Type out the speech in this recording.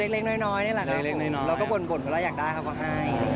เล็กน้อยนี่แหละเราก็บ่นเวลาอยากได้เขาก็ให้